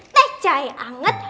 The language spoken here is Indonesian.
teh cahaya anget